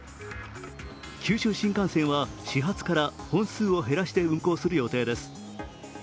九州新幹線は始発から本数を減らして運行する予定です。